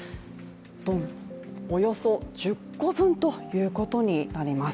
ドン、およそ１０個分ということになります。